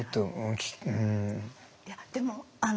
いやでもあの。